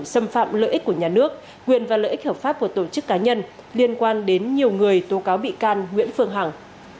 xâm phạm lợi ích của nhà nước quyền và lợi ích hợp pháp của tổ chức cá nhân liên quan đến nhiều người tố cáo bị can nguyễn phương hằng